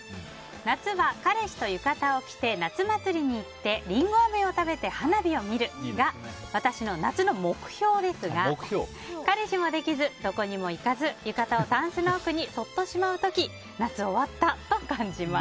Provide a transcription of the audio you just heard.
夏は彼氏と浴衣を着て夏祭りに行ってリンゴあめを食べて花火を見るが私の夏の目標ですが彼氏もできず、どこにも行かず浴衣をタンスの奥にそっとしまう時夏終わったと感じます。